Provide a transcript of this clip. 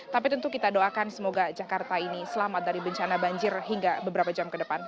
tapi tentu kita doakan semoga jakarta ini selamat dari bencana banjir hingga beberapa jam ke depan